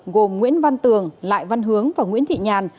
gồm nguyễn văn tường lại văn hướng và nguyễn thị nhàn